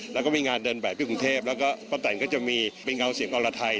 แล้วก็มีงานเดินแบบที่กรุงเทพแล้วก็ป้าแตนก็จะมีเป็นเงาเสียงอรไทย